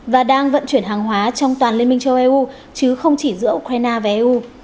và đang vận chuyển hàng hóa trong toàn liên minh châu âu chứ không chỉ giữa ukraine và eu